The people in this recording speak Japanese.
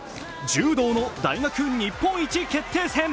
柔道の大学日本一決定戦。